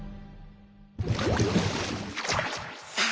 さあ